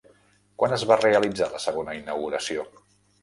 Quan es va realitzar la segona inauguració?